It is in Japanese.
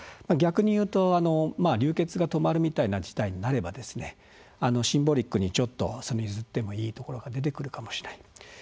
逆に言うと流血が止まるみたいな事態になればシンボリックにちょっとゆずってもいいところが出てくるかもしれない。